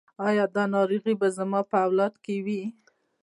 ایا دا ناروغي به زما په اولاد کې وي؟